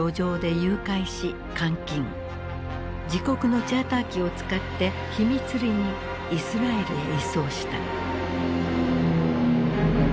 自国のチャーター機を使って秘密裏にイスラエルへ移送した。